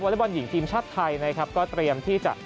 วอลล์บอลหญิงชัดไทยก็เตรียมที่จะ